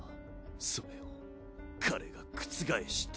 それを彼が覆した。